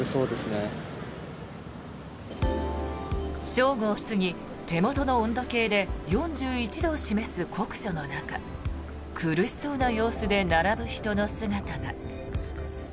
正午を過ぎ、手元の温度計で４１度を示す酷暑の中苦しそうな様子で並ぶ人の姿が。